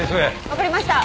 分かりました。